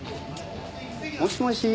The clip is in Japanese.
もしもし？